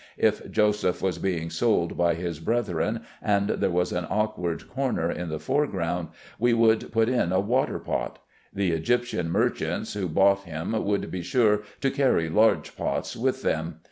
If Joseph was being sold by his brethren, and there was an awkward corner in the foreground, we would put in a water pot. The Egyptian merchants who bought him would be sure to carry large pots with them.